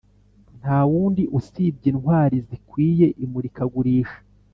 ntawundi usibye intwari zikwiye imurikagurisha